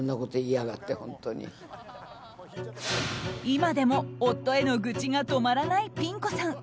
今でも夫への愚痴が止まらないピン子さん。